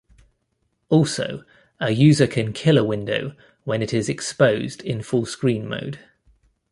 Also a user can kill a window when it is exposed in fullscreen mode.